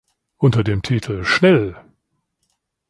Unter dem Titel "Schnell!